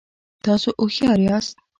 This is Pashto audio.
تاسو هوښیار یاست